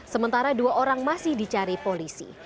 sementara dua orang masih dicari polisi